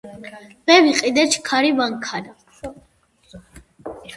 მე ვიყიდე ჩქარი მანქანა